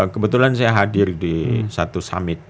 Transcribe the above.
kebetulan saya hadir di satu summit